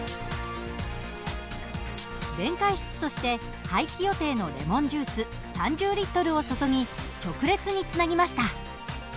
電解質として廃棄予定のレモンジュース３０リットルを注ぎ直列につなぎました。